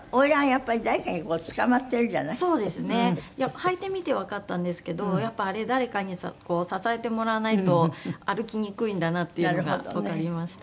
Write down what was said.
履いてみてわかったんですけどやっぱりあれ誰かにこう支えてもらわないと歩きにくいんだなっていうのがわかりました。